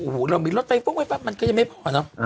โอ้โหเรามีรถไฟฟุ้งไปปั๊บมันก็ยังไม่พอเนอะ